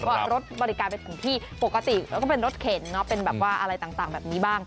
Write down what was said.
ก็รถบริการเป็นของที่ปกติแล้วก็เป็นรถเข็นเป็นแบบว่าอะไรต่างแบบนี้บ้าง